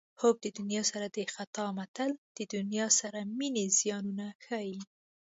حب د دنیا سر د خطا متل د دنیا سره مینې زیانونه ښيي